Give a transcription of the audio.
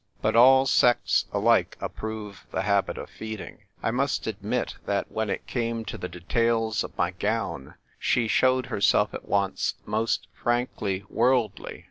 But all sects alike ap prove the habit of feeding. I must admit that when it came to the details of my gown she showed herself at once moA frankly worldly.